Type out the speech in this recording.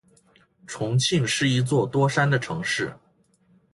重庆是一座多山的城市。